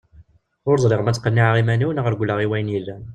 Ur ẓriɣ ma ttqenniɛeɣ iman-iw neɣ regleɣ i wayen yellan?